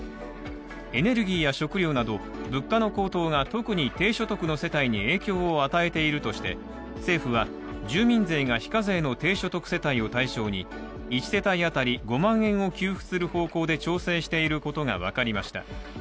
エネルギーや食料など、物価の高騰が特に低所得の世帯に影響を与えているとして、政府は住民税が非課税の低所得世帯を対象に、１世帯当たり５万円を給付する方向で調整していることが分かりました。